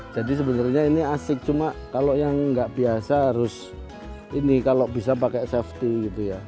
jadi sebenarnya ini asik cuma kalau yang nggak biasa harus ini kalau bisa pakai safety gitu ya